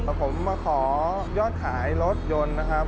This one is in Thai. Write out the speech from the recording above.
แต่ผมมาขอยอดขายรถยนต์นะครับ